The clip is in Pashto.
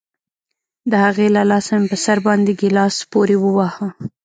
د هغې له لاسه مې په سر باندې گيلاس پورې وواهه.